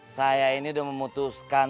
saya ini sudah memutuskan